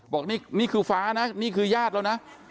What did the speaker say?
บอกนี่คือฟ้านะนี่คือญาติเรานะ